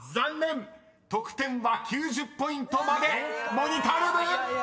［モニタールーム！］